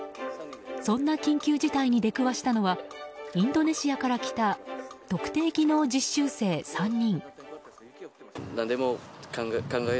そんな緊急事態に出くわしたのはインドネシアから来た特定技能実習生３人。